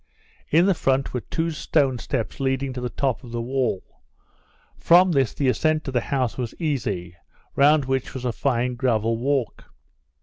In the front were two stone steps leading to the top of the wall; from this the ascent to the house was easy, round which was a fine gravel walk.